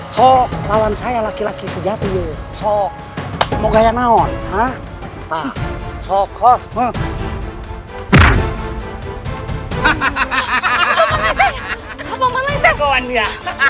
sok lawan saya laki laki sejati sok mau kaya naon hah sok hah hahahaha